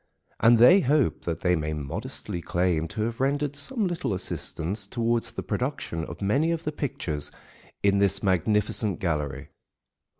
And they hope that they may modestly claim to have rendered some little assistance towards the production of many of the pictures in this magnificent gallery.